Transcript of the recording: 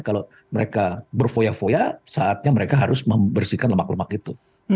kalau mereka berfoya foya saatnya mereka harus membersihkan lemak lemak itu